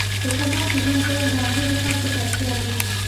په شمال کې ژوند کول ځانګړو خلکو ته اړتیا لري